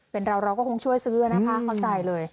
เป็นเราเราก็คงช่วยซื้อนะคะเข้าใจเลย